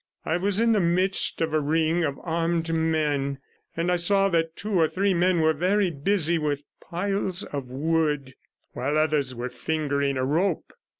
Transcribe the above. I was in the midst of a ring of armed men, and I saw that two or three men were very busy with piles of wood, while others were fingering a rope.